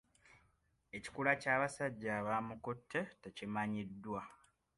Ekikula ky'abasajja abaamukutte tekimanyiddwa.